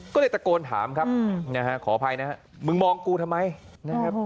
ก็เลยตะโกนถามครับนะฮะขออภัยนะฮะมึงมองกูทำไมนะครับ